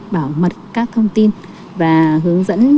bảo mật các thông tin và hướng dẫn